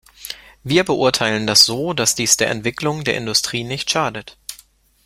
Wir beurteilen das so, dass dies der Entwicklung der Industrie nicht schadet.